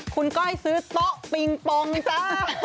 คุณก้อยซื้อโต๊ะปิงปองจ้า